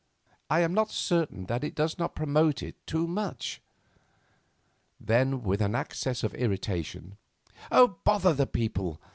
I am not certain that it does not promote it too much." Then, with an access of irritation, "Bother the people!